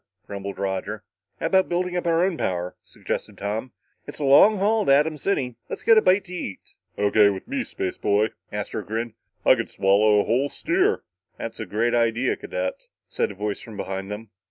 grumbled Roger. "How about building up our own power," suggested Tom. "It's a long haul to Atom City. Let's get a bite to eat." "O.K. with me, spaceboy!" Astro grinned. "I could swallow a whole steer!" "That's a great idea, cadet," said a voice from behind them.